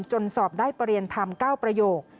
จนสอบได้ประเรียนธรรม๙ประโยค